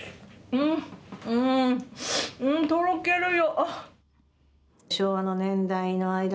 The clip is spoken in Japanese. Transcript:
うん、とろけるよ。